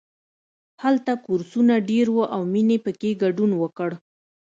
هلته کورسونه ډېر وو او مینې پکې ګډون وکړ